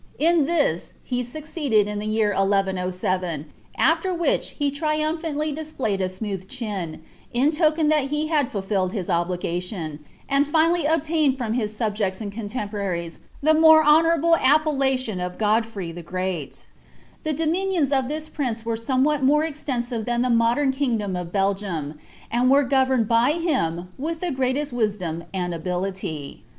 In llii* he sncceetlet] in l)i( ypar 1107, after which lie triumphanlly displayed a emouih ehiiuiB ioken that he had fultilletl his obligation, and finally obiaiiied fiam hi* eul'jeria and conienippraries the more honourable appellatiou of Goddtr the Great.' The dominions of this prince were somewhat more esteiunt ihnn the modem kingdom of Belgium, and were governed by him wiik the greatest wisdom and ability.